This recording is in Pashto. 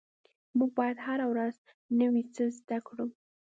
مونږ باید هره ورځ نوي څه زده کړو